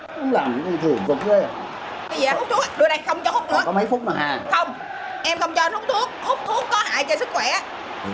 không em không cho anh hút thuốc hút thuốc có hại cho sức khỏe